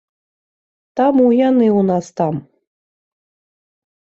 Таму яны ў нас там.